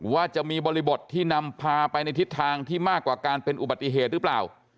ว่าจะมีบริบทที่นำพาไปในทิศทางที่มากกว่าการเป็นอุบัติเหตุหรือเปล่า